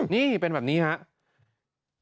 นี่เป็นแบบนี้ครับ